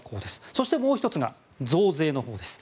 そしてもう１つが増税のほうです。